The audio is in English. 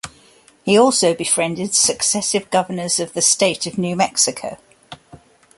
He also befriended successive governors of the state of New Mexico.